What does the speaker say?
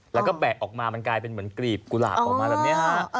แล้วก็แบะออกมามันกลายเป็นเหมือนกรีบกุหลาบออกมาแบบนี้ฮะ